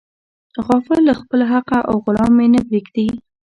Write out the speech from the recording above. غافل له خپله حقه او غلام مې نه پریږدي.